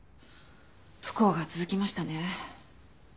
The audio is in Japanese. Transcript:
不幸が続きましたね。